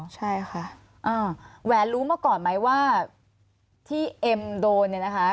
ใช่ค่ะแหวนรู้มาก่อนไหมว่าที่เอ็มโดนเนี่ยนะคะ